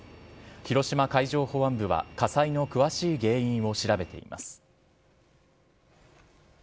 広島海上保安部は火災の詳しい原因を調べています。